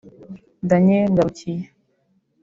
Daniel Ngarukiye